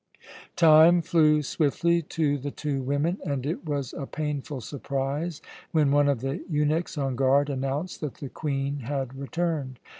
Time flew swiftly to the two women, and it was a painful surprise when one of the eunuchs on guard announced that the Queen had returned.